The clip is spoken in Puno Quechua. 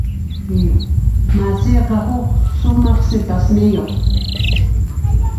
Masiyqa huk sumaq sipasniyuq.